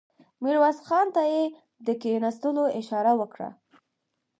ميرويس خان ته يې د کېناستلو اشاره وکړه.